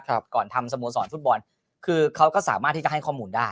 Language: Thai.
ก่อนทำสโมสรฟุตบอลคือเขาก็สามารถที่จะให้ข้อมูลได้